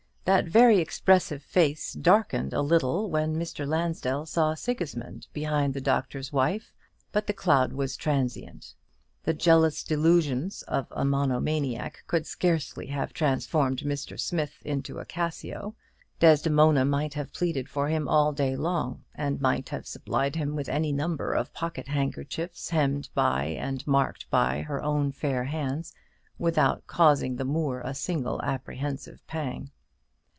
That very expressive face darkened a little when Mr. Lansdell saw Sigismund behind the Doctor's Wife; but the cloud was transient. The jealous delusions of a monomaniac could scarcely have transformed Mr. Smith into a Cassio. Desdemona might have pleaded for him all day long, and might have supplied him with any number of pocket handkerchiefs hemmed and marked by her own fair hands, without causing the Moor a single apprehensive pang.